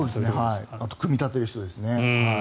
あと組み立てる人ですね。